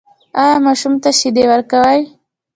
ایا ماشوم ته شیدې ورکوئ؟